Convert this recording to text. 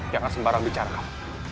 jangan sembarangan bicara kawan